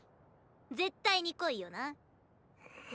絶対に来いよな。